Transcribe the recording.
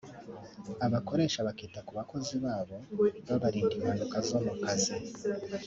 abakoresha bakita ku bakozi babo babarinda impanuka zo mu kazi